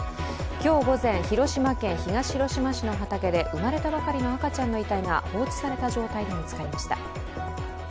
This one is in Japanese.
今日午前、広島県東広島市の畑で生まれたばかりの赤ちゃんの遺体が放置された状態で見つかりました。